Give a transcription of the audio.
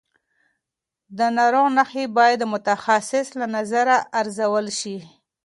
د ناروغ نښې باید د متخصص له نظره ارزول شي.